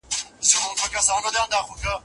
ایا دا استاد په دغه ټاکل سوې موضوع پوهېږي؟